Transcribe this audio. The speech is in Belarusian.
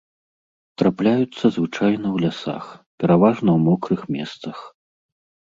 Трапляюцца звычайна ў лясах, пераважна ў мокрых месцах.